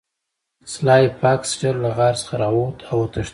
سلای فاکس ژر له غار څخه راووت او وتښتید